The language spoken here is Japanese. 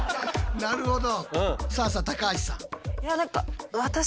なるほど。